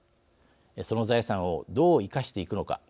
その財産をどう生かしていくのか。